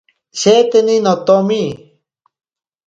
Sheteni notomi.